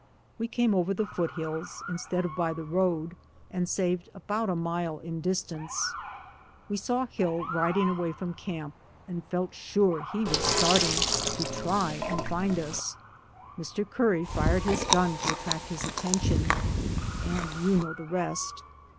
"We came over the foot hills, instead of by the road, and saved about a mile in dis tance. We saw Hill riding away from camp and felt sure he was starting to try and find us. Mr. Curry fired his gun to attract his attention, and you know the rest."